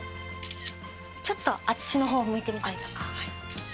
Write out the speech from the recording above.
ちょっとあっちの方を向いてみてください。